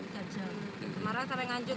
iya sampai nganjuk